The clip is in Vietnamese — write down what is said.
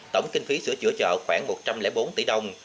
tổng kinh phí sửa chữa chợ khoảng một trăm linh bốn tỷ đồng